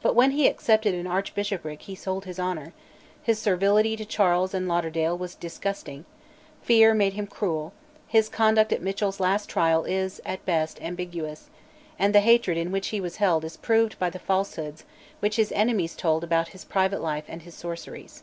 But when he accepted an archbishopric he sold his honour; his servility to Charles and Lauderdale was disgusting; fear made him cruel; his conduct at Mitchell's last trial is, at best, ambiguous; and the hatred in which he was held is proved by the falsehoods which his enemies told about his private life and his sorceries.